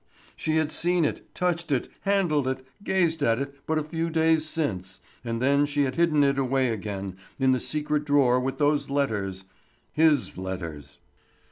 She had seen it, touched it, handled it, gazed at it but a few days since; and then she had hidden it away again in the secret drawer with those letters—his letters.